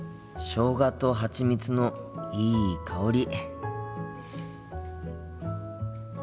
しょうがとハチミツのいい香り。